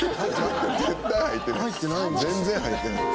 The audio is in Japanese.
全然入ってない。